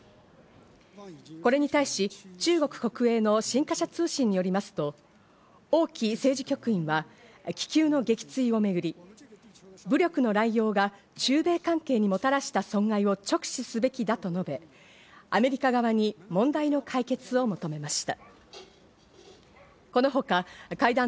これに対し、中国国営の新華社通信によりますと、オウ・キ政治局員は気球の撃墜をめぐり、武力の乱用が中米関係にもたらした損害を直視すべきだと述べ、アメリカ側に問題の解決を求めました。